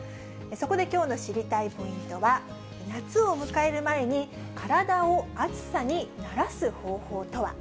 そこできょうの知りたいポイントは、夏を迎える前に、体を暑さに慣らす方法とは？